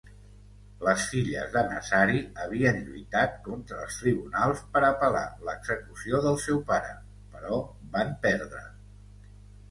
Les filles de Nazari havien lluitat contra els tribunals per apel·lar l'execució del seu pare, però van perdre.